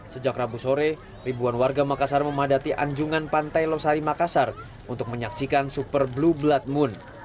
sejak rabu sore ribuan warga makassar memadati anjungan pantai losari makassar untuk menyaksikan super blue blood moon